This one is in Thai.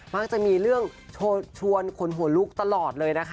มักจะมีเรื่องชวนคนหัวลุกตลอดเลยนะคะ